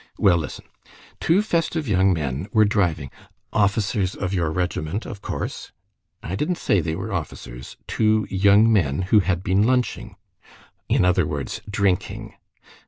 "Well, listen: two festive young men were driving—" "Officers of your regiment, of course?" "I didn't say they were officers,—two young men who had been lunching." "In other words, drinking."